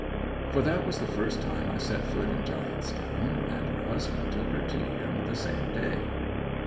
'For that was the first time I set foot in Giant's Town; and her husband took her to him the same day.'